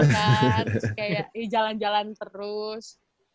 terus kayak jalan jalan terus